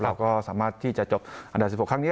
เราก็สามารถที่จะจบอันดับ๑๖ครั้งนี้